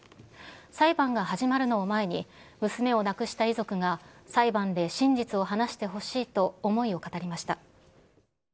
裁判が始まるのを前に、娘を亡くした遺族が、裁判で真実を話してほしいと思いを語りました。